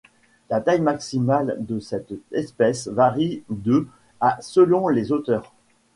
La taille maximale de cette espèce varie de à selon les auteurs.